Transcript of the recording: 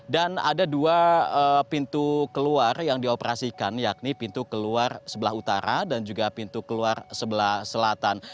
dan ada dua pintu keluar yang dioperasikan yakni pintu keluar sebelah utara dan juga pintu keluar sebelah selatan